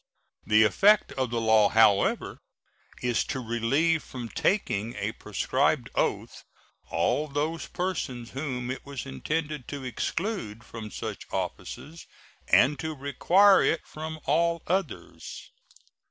The effect of the law, however, is to relieve from taking a prescribed oath all those persons whom it was intended to exclude from such offices and to require it from all others.